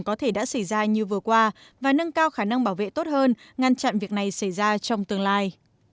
có thể đã xảy ra như vừa qua và nâng cao khả năng bảo vệ tốt hơn ngăn chặn việc này xảy ra trong tương lai